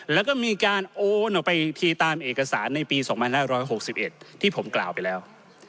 แล้วก็มีการโอนออกไปอีกทีตามเอกสารในปี๒๕๖๑ที่ผมกล่าวไปแล้ว